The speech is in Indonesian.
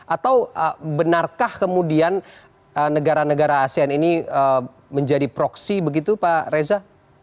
atau benarkah kemudian negara negara asean ini menjadi proksi begitu pak reza